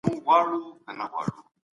سترګې دې د ژوند د حقیقت لپاره خلاصې کړه.